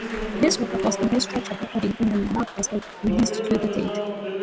This record was the most structured recording the Markers had released to date.